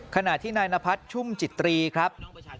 ขณะที่นายนพัฒน์ชุ่มจิตรีครับ